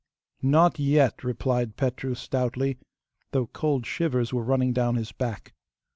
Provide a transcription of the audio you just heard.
'Not yet,' replied Petru stoutly, though cold shivers were running down his back.